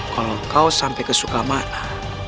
kalau kau sampai ke sukamata